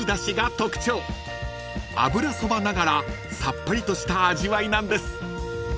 ［油そばながらさっぱりとした味わいなんです］